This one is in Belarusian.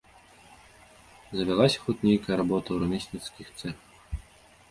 Завялася хоць нейкая работа ў рамесніцкіх цэхах.